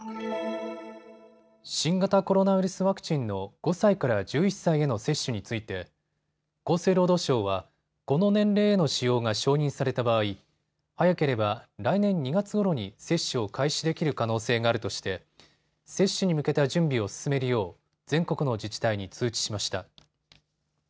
新型コロナウイルスワクチンの５歳から１１歳への接種について厚生労働省はこの年齢への使用が承認された場合、早ければ来年２月ごろに接種を開始できる可能性があるとして接種に向けた準備を進めるよう全国の自治体に通知しました。